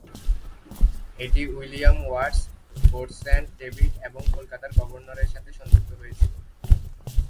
এটি William Watts, Fort Saint David এবং কলকাতার গভর্নরের সাথে সংযুক্ত হয়েছিল।